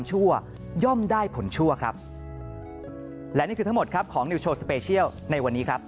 โปรดติดตามตอนต่อไป